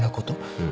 うん。